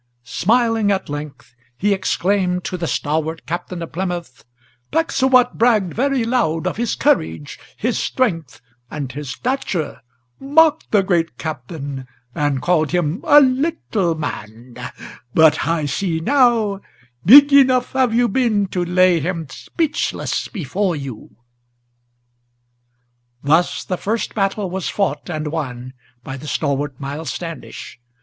Smiling at length he exclaimed to the stalwart Captain of Plymouth: "Pecksuot bragged very loud, of his courage, his strength, and his stature, Mocked the great Captain, and called him a little man; but I see now Big enough have you been to lay him speechless before you!" Thus the first battle was fought and won by the stalwart Miles Standish.